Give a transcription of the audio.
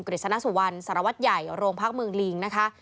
ฤษณสุวรรณสารวัตรใหญ่โรงพักเมืองลิงนะคะ